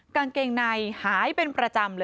กางเกงในหายเป็นประจำเลย